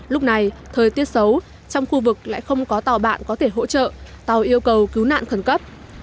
lúc này thời tiết xấu trong khu vực lại không có tàu bạn có thể hỗ trợ tàu yêu cầu cứu nạn khẩn cấp